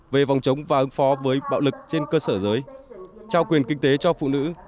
về vòng chống và ứng phó với bạo lực trên cơ sở giới trao quyền kinh tế cho phụ nữ